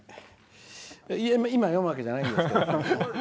今、読むわけじゃないですけど。